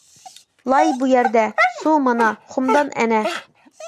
لاي بۇ يەردە، سۇ مانا، خۇمدان ئەنە.